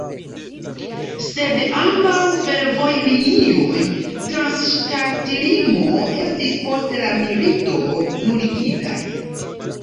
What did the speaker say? Sed ambaŭ fervojlinioj trans ŝtatlimo estis post la milito nuligitaj.